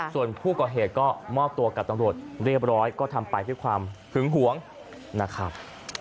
ส่วนผู้ก่อเหตุก็มอบตัวกับตำรวจเรียบร้อยก็ทำไปด้วยความหึงหวงนะครับ